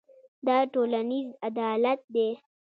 دا ټولنیز عدالت دی.